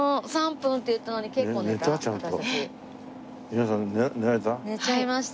皆さん寝られた？